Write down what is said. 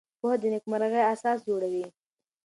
پوهه د نېکمرغۍ اساس جوړوي.